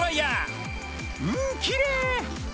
うんきれい！